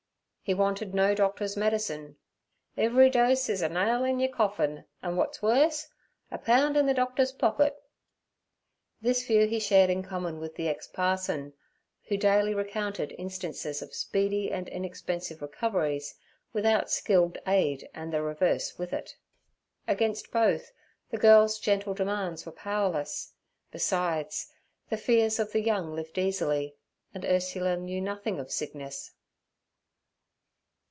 He wanted no doctor's medicine. 'Every dose is a nail in yur coffin an', wut's worse, a pound in the doctor's pocket.' This view he shared in common with the ex parson, who daily recounted instances of speedy and inexpensive recoveries, without skilled aid and the reverse with it. Against both the girl's gentle demands were powerless; besides, the fears of the young lift easily, and Ursula knew nothing of sickness.